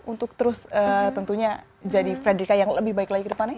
untuk terus tentunya jadi frederica yang lebih baik lagi ke depannya